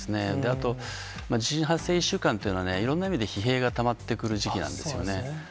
あと、地震発生１週間というのは、いろんな意味で疲弊がたまってくる時期なんですよね。